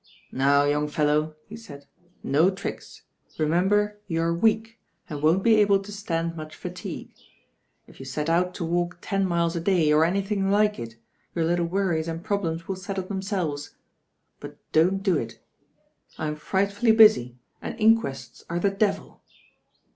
"Now, young feUow," he said, "no tricks. Re member you are weak, and won't be able to stand much fatigue. If you set out to walk ten miles a day, or anything like it, your little worries and problems will settle themselves; but don't do it. ^*™ ^^'^^'^"^^y ^"8y» and inquests are the devil."